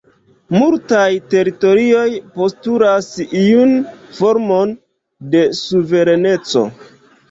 Multaj teritorioj postulas iun formon de suvereneco.